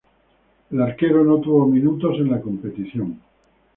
El arquero no tuvo minutos en la competición.